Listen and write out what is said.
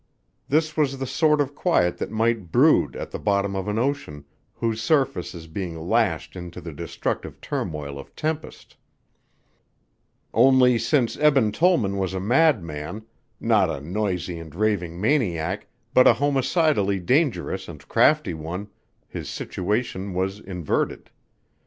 This was the sort of quiet that might brood at the bottom of an ocean whose surface is being lashed into the destructive turmoil of tempest. Only since Eben Tollman was a madman not a noisy and raving maniac but a homicidally dangerous and crafty one his situation was inverted.